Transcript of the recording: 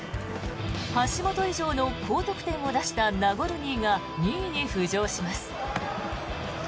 橋本以上の高得点を出したナゴルニーが２位に浮上します。